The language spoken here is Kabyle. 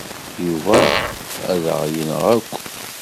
Yuba ad aɣ-yenɣ akk.